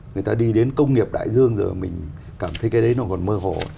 người ta đi đến công nghiệp đại dương rồi mình cảm thấy cái đấy nó còn mơ hồ